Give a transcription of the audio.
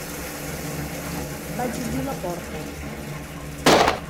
Vaig obrir la porta.